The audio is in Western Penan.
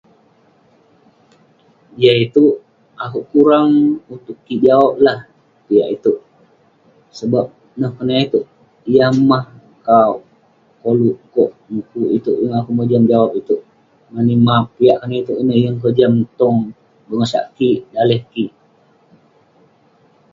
Jah itouk, akouk kurang utuk kik jawab lah, piak itouk. Sebab neh konak itouk. Yah mah kauk koluk kok mukuk itouk, yeng akouk mojam jawab itouk. Mani map, piak itouk ineh yeng kojam kik tong bengosak kik, daleh kik.